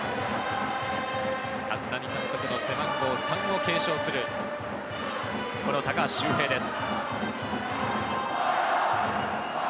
立浪監督の背番号３を継承する、この高橋周平です。